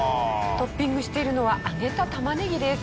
トッピングしているのは揚げたタマネギです。